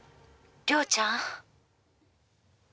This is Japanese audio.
凌ちゃん。